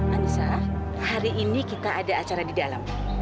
anissa hari ini kita ada acara di dalam